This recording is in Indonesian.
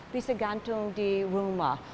bisa gantung di rumah